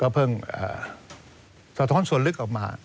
เพิ่งสะท้อนส่วนลึกออกมา